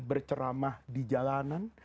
berceramah di jalanan